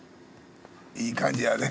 いい感じやで。